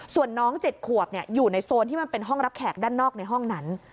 ส่วนน้อง๗ขวบอยู่ในโซนที่มันเป็นห้องรับแขกด้านนอกในห้องนั้น